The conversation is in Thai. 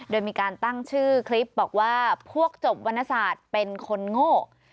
โดยมีการตั้งชื่อคลิปบอกว่าพวกจบวรรณศาสตร์เป็นคนโง่